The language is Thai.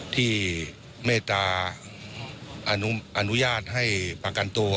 เมตตาอนุญาตให้ประกันตัว